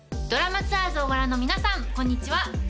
『ドラマツアーズ』をご覧の皆さんこんにちは。